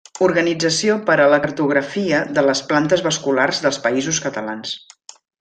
Organització per a la cartografia de les plantes vasculars dels Països Catalans.